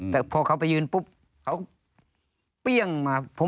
แต่พอเขาไปยืนปุ๊บเขาเปรี้ยงมา